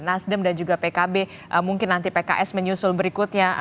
nasdem dan juga pkb mungkin nanti pks menyusul berikutnya